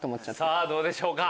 さぁどうでしょうか？